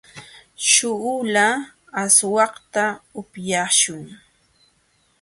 śhuula aswakta upyaśhun.